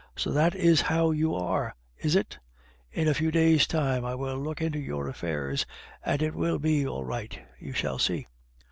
"So that is how you are, is it? In a few days' time I will look into your affairs, and it will be all right, you shall see."